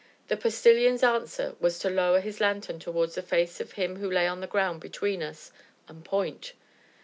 The Postilion's answer was to lower his lanthorn towards the face of him who lay on the ground between us, and point.